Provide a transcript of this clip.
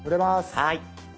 はい。